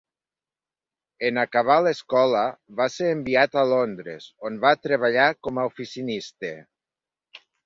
En acabar l'escola, va ser enviat a Londres, on va treballar com a oficinista.